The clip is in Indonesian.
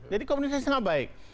jadi komunikasi sangat baik